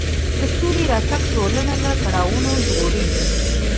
د سولې راتګ ټولنه له کړاوونو ژغوري.